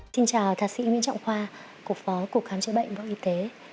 xin chào thạc sĩ nguyễn trọng khoa của phó cục khám chữa bệnh bộ y tế